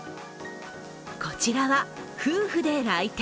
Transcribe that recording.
こちらは夫婦で来店。